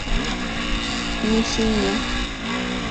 Nisiño